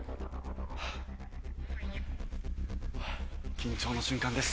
緊張の瞬間です。